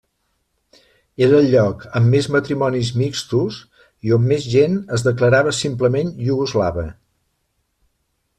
Era el lloc amb més matrimonis mixtos i on més gent es declarava simplement iugoslava.